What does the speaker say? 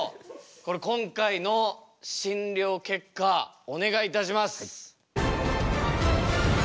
これ今回の診療結果お願いいたします。